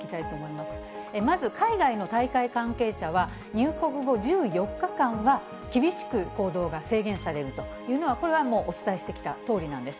まず海外の大会関係者は、入国後１４日間は、厳しく行動が制限されるというのは、これはもうお伝えしてきたとおりなんです。